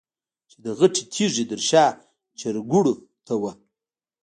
چې د غټې تيږې تر شا چرګوړو ته وه.